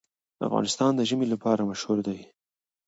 افغانستان د ژمی لپاره مشهور دی.